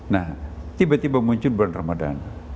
nah tiba tiba muncul bulan ramadan